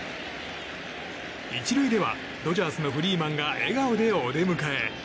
１塁ではドジャースのフリーマンが笑顔でお出迎え。